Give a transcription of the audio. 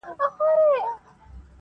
دوی مو د کلي د ډیوې اثر په کاڼو ولي-